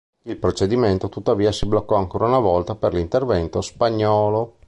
Il procedimento, tuttavia, si bloccò ancora una volta per l'intervento spagnolo.